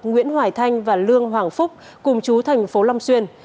nguyễn hoài thanh và lương hoàng phúc cùng chú thành phố long xuyên